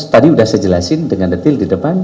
tadi sudah saya jelasin dengan detil di depan